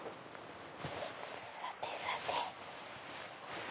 さてさて。